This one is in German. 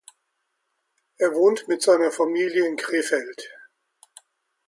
Er wohnt mit seiner Familie in Krefeld.